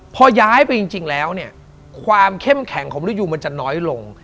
พอย้ายไปจริงแล้วเนี่ยความเข้มแข็งของมริยูมันจะน้อยลง